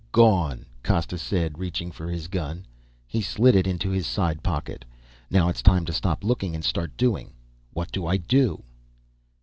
Gone." Costa said, reaching for his gun. He slid it into his side pocket. "Now it's time to stop looking and start doing. What do I do?"